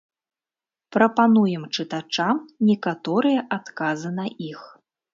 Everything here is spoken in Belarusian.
Прапануем чытачам некаторыя адказы на іх.